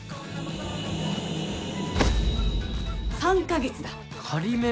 ３か月だ。